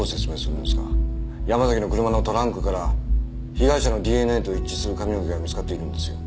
山崎の車のトランクから被害者のＤＮＡと一致する髪の毛が見つかっているんですよ。